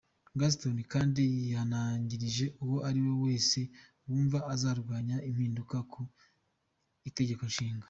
Gaston kandi yihanangirije uwo ariwe wese wumva azarwanya impinduka ku itegekonshinga.